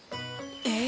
えっ！